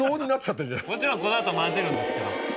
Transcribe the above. もちろんこの後混ぜるんですけど。